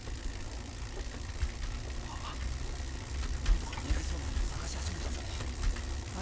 ああでも何とか似合いそうなのを探し始めたぞ。